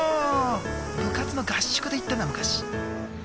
部活の合宿で行ったな昔。